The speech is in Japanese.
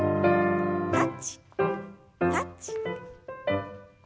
タッチタッチ。